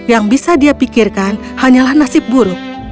yang bisa dia pikirkan hanyalah nasib buruk